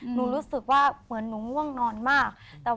รู้สึกว่าเหมือนหนูง่วงนอนมาก